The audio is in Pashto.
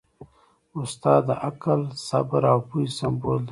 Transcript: استاد د عقل، صبر او پوهې سمبول دی.